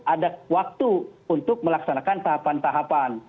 ada waktu untuk melaksanakan tahapan tahapan